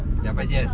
kemudian banyak hal